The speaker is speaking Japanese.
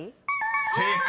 ［正解。